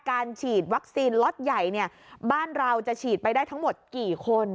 การฉีดวัคซีนล็อตใหญ่เนี่ยบ้านเราจะฉีดไปได้ทั้งหมดกี่คน